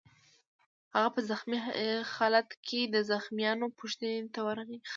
هغه په زخمي خالت کې د زخمیانو پوښتنې ته ورغی